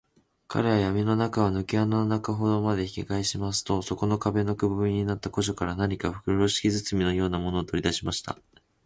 彼はやみの中を、ぬけ穴の中ほどまで引きかえしますと、そこの壁のくぼみになった個所から、何かふろしき包みのようなものを、とりだしました。